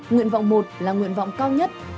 nguyện vọng một là nguyện vọng cao nhất